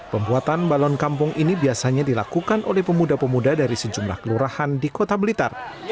pembuatan balon kampung ini biasanya dilakukan oleh pemuda pemuda dari sejumlah kelurahan di kota blitar